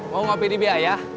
mau ngopi di biaya